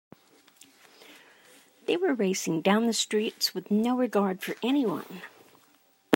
They were racing down the streets with no regard for anyone.